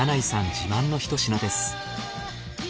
自慢のひと品です。